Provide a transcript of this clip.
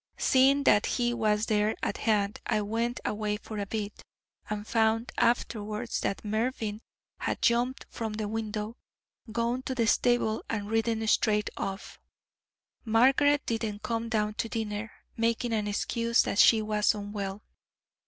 Seeing that he was there at hand I went away for a bit, and found afterwards that Mervyn had jumped from the window, gone to the stable and ridden straight off. Margaret didn't come down to dinner, making an excuse that she was unwell.